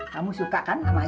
kamu suka kan sama ayah kan